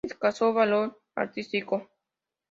Escaso valor artístico.